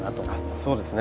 そうですね。